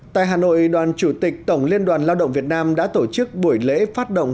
tại hà nội đoàn chủ tịch tổng liên đoàn lao động việt nam đã tổ chức buổi lễ phát động